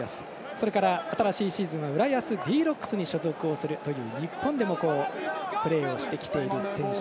それから、新しいシーズンは浦安Ｄ‐Ｒｏｃｋｓに所属するという日本でもプレーしてきている選手。